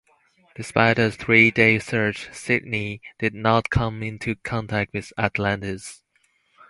Despite a three-day search, "Sydney" did not come into contact with "Atlantis".